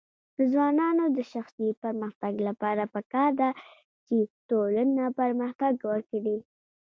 د ځوانانو د شخصي پرمختګ لپاره پکار ده چې ټولنه پرمختګ ورکړي.